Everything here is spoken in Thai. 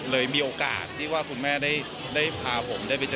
คุณแม่น้องให้โอกาสดาราคนในผมไปเจอคุณแม่น้องให้โอกาสดาราคนในผมไปเจอ